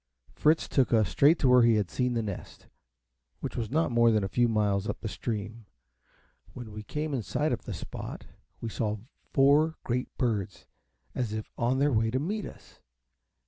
Fritz took us straight to where he had seen the nest, which was not more than a few miles up the stream. When we came in sight of the spot, we saw four great birds, as if on their way to meet us.